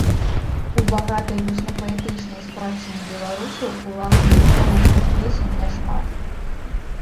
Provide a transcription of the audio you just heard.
У багатай вуснапаэтычнай спадчыне беларусаў уласна гістарычных песен няшмат.